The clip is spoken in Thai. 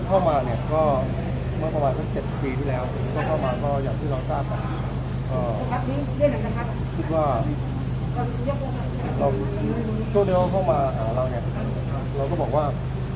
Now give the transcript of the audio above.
คิดว่าช่วงเดียวเข้ามาหาเราเนี่ยเราก็บอกว่า